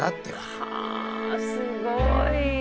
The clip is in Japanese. はあすごい。